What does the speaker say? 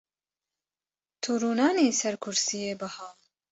Tu rûnanî ser kursiyê biha.